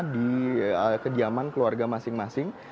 di kediaman keluarga masing masing